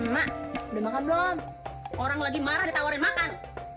mak udah makan belum orang lagi marah ditawarin makan